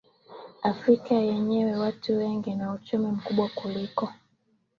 Afrika yenye watu wengi na uchumi mkubwa kuliko